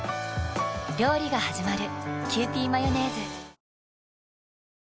料理がはじまる。